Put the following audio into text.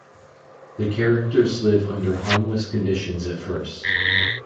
The characters live under harmless conditions at first.